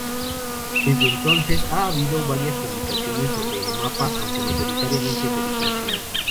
Desde entonces ha habido varias publicaciones sobre el mapa, aunque mayoritariamente de origen chino.